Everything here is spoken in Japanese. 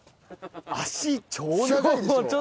脚超長いでしょ。